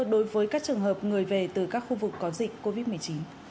đối với các trường hợp người về từ các khu vực có dịch covid một mươi chín